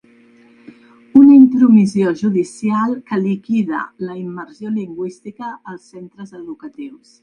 Una intromissió judicial que liquida la immersió lingüística als centres educatius.